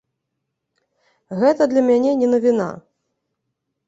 Гэта для мяне не навіна.